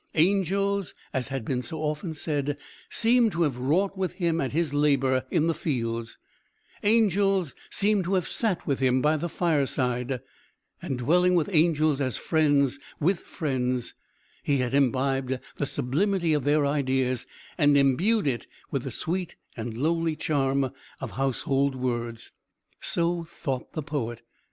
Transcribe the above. Angels, as had been so often said, seemed to have wrought with him at his labour in the fields; angels seemed to have sat with him by the fireside; and, dwelling with angels as friend with friends, he had imbibed the sublimity of their ideas, and imbued it with the sweet and lowly charm of household words. So thought the poet.